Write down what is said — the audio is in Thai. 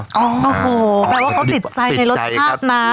โอ้โหแปลว่าเขาติดใจในรสชาตินะ